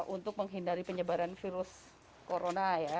untuk menghindari penyebaran virus corona ya